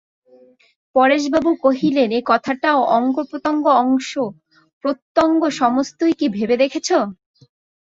পরেশবাবু কহিলেন, এ কথাটার অঙ্গপ্রত্যঙ্গ অংশ-প্রত্যংশ সমস্তই কি ভেবে দেখেছ?